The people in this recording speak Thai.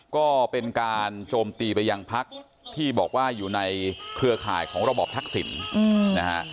ก็เป็นการโจมตีไปยังพักที่บอกว่าอยู่ในเครือข่ายของระบอบทักษิณนะฮะ